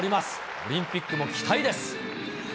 オリンピックも期待です。